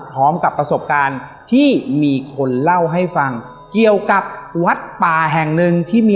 พร้อมกับประสบการณ์ที่มีคนเล่าให้ฟังเกี่ยวกับวัดป่าแห่งหนึ่งที่มี